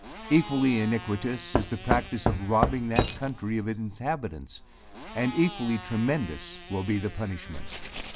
Equally iniquitous is the practice of robbing that country of its inhabitants; and equally tremendous will be the punishment.